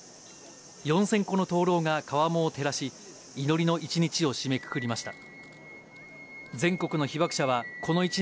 ４０００個の灯籠が川面を照らし、祈りの一日を締めくくりました。